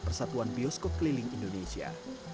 persatuan bioskop keliling indonesia